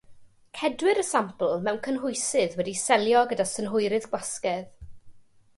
Cedwir y sampl mewn cynhwysydd wedi'i selio gyda synhwyrydd gwasgedd.